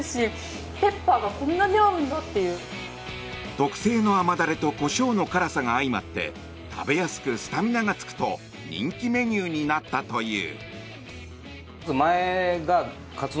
特製の甘ダレとコショウの辛さが相まって食べやすくスタミナがつくと人気メニューになったという。